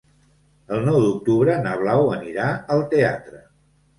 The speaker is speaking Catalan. El nou d'octubre na Blau anirà al teatre.